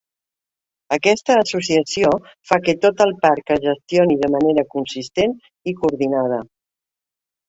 Aquesta associació fa que tot el parc es gestioni de manera consistent i coordinada.